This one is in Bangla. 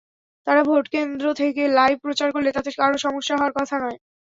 তাঁরা ভোটকেন্দ্র থেকে লাইভ প্রচার করলে তাতে কারও সমস্যা হওয়ার কথা নয়।